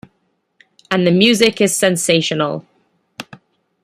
And the music is sensational.